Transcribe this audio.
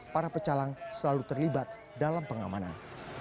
para pecalang selalu terlibat dalam pengamanan